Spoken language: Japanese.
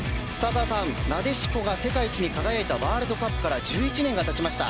澤さん、なでしこが世界一に輝いたワールドカップから１１年が経ちました。